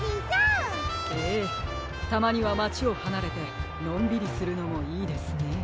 たまにはまちをはなれてのんびりするのもいいですね。